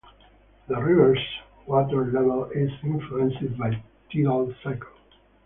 The river's water level is influenced by tidal cycle.